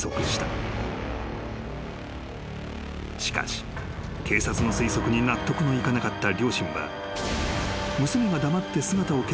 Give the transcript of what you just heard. ［しかし警察の推測に納得のいかなかった両親は］